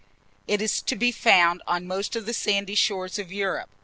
It is to be found on most of the sandy shores of Europe.